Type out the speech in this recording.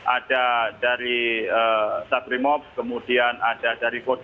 ada dari sabrimob kemudian ada dari kodim